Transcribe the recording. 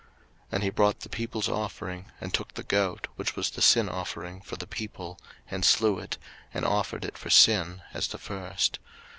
03:009:015 And he brought the people's offering, and took the goat, which was the sin offering for the people, and slew it, and offered it for sin, as the first.